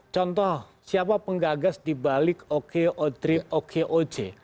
contoh siapa penggagas di balik okeo trip okeoce